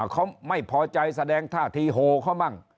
เขาไม่พอใจแสดงท่าทีโหเขามั่ง